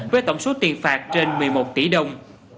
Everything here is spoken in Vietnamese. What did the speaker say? với tổng số tiền phạt trên một mươi một tỷ đồng